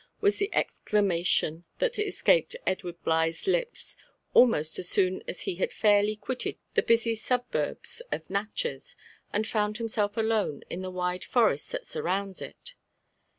was an exclamation that escaped Edward Bligh's lips almost as soon as he had fairly quitted the busy suburbs of Natchez, and found himself alone in the wide forest that surrounds it.